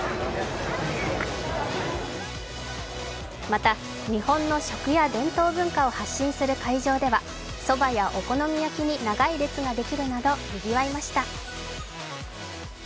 また、日本の食や伝統文化を発信する会場ではそばやお好み焼きに長い列ができるなど、にぎわいました。